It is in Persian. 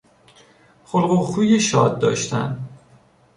خلق و خوی شاد داشتن